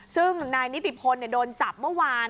ซึ่งนายนิติพลโดนจับเมื่อวาน